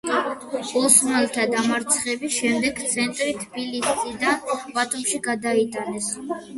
ოსმალთა დამარცხების შემდეგ ცენტრი თბილისიდან ბათუმში გადაიტანეს.